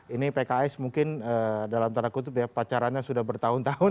ini pks mungkin dalam tanda kutip ya pacarannya sudah bertahun tahun